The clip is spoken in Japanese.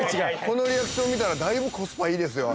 このリアクション見たらだいぶコスパいいですよ